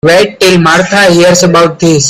Wait till Martha hears about this.